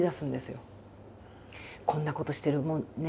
こんなことしてもね